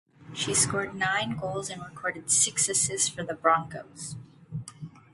She scored nine goals and recorded six assists for the Broncos.